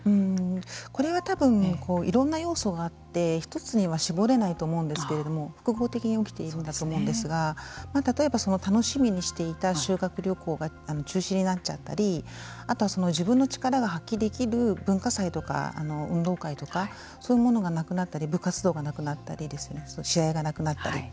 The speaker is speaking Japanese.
これは多分いろんな要素があって一つには絞れないと思うんですけれども複合的に起きているんだと思うんですが例えば楽しみにしていた修学旅行が中止になっちゃったりあとは自分の力が発揮できる文化祭とか運動会とかそういうものがなくなったり部活動がなくなったりですね試合がなくなったり。